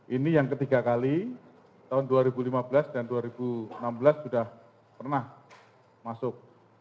ini yang ketiga kali tahun dua ribu lima belas dan dua ribu enam belas sudah pernah masuk